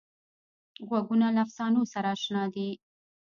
غوږونه له افسانو سره اشنا دي